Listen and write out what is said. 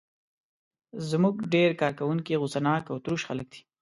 زموږ ډېر کارکوونکي غوسه ناک او تروش خلک دي.